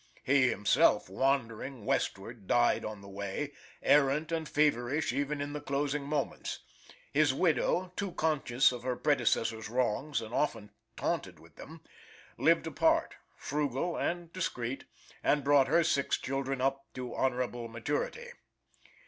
He himself, wandering westward, died on the way, errant and feverish, even in the closing moments. His widow, too conscious of her predecessor's wrongs, and often taunted with them, lived apart, frugal and discreet, and brought her six children up to honorable maturity.